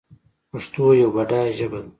پښتو یوه بډایه ژبه ده